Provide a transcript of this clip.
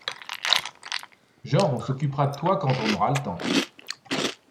Genre on s'occupera de toi quand on aura le temps.